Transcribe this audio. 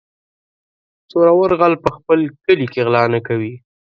- زورور غل په خپل کلي کې غلا نه کوي.